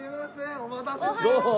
お待たせしました。